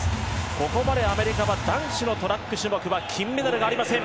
ここまでアメリカは男子のトラック種目は金メダルがありません。